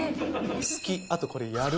好き、あとこれ、やる。